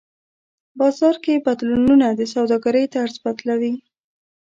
بازار کې بدلونونه د سوداګرۍ طرز بدلوي.